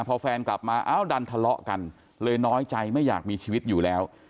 พอแฟนกลับมาอ้าวดันทะเลาะกันเลยน้อยใจไม่อยากมีชีวิตอยู่แล้ว